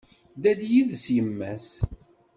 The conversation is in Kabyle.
Tedda-d yid-s yemma-s.